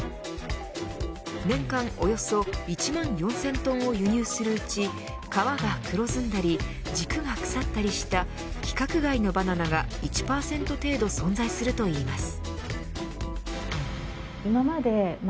年間およそ１万４０００トンを輸入するうち皮が黒ずんだり軸が腐ったりした規格外のバナナが１％程度存在するといいます。